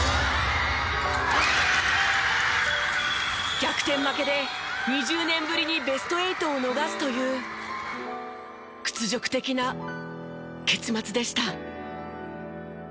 逆転負けで２０年ぶりにベスト８を逃すという屈辱的な結末でした。